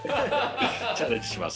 チャレンジします。